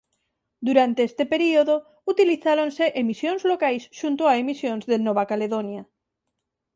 Durante este período utilizáronse emisións locais xunto a emisións de Nova Caledonia.